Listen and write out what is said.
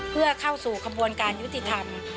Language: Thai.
เพื่อเข้าสู่กระบวนการยุติธรรม